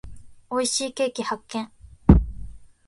美味しいケーキ発見。